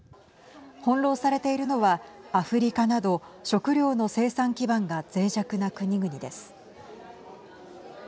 翻弄されているのはアフリカなど食糧の生産基盤がぜい弱な国々です。